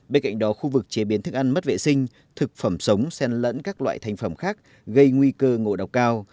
bên cạnh đó khu vực chế biến thức ăn mất vệ sinh thực phẩm sống sen lẫn các loại thành phẩm khác gây nguy cơ ngộ độc cao